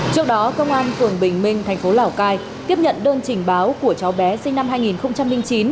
trước đó công an phường bình minh thành phố lào cai tiếp nhận đơn trình báo của cháu bé sinh năm hai nghìn chín